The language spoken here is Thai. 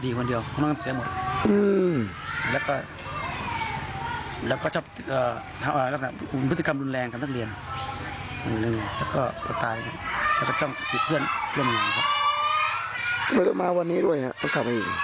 ทำไมเขามาวันนี้ด้วยครับต้องกลับมาอีก